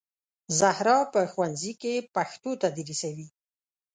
زهرا په ښوونځي کې پښتو تدریسوي